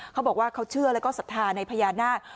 เขาบอกว่าเขาเชื่อแล้วก็ศรัทธาในพญานาค